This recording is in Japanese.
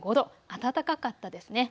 暖かかったですね。